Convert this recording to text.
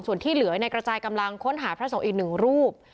ส่วนที่เหลือในกระจายกำลังค้นหาพระสงฆ์อีกหนึ่งรูป